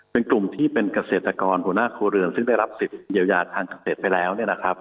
เป็นกลุ่มที่เป็นเกษตรกรหัวหน้าครัวเรือนซึ่งได้รับสิทธิเยียวยาทางเกษตรไปแล้ว